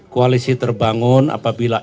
koalisi terbangun apabila